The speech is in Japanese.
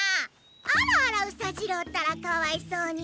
あらあらウサじろうったらかわいそうに。